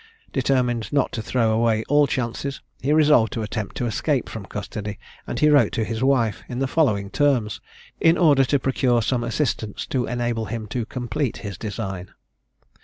Determined not to throw away all chances, he resolved to attempt to escape from custody, and he wrote to his wife in the following terms, in order to procure some assistance to enable him to complete his design.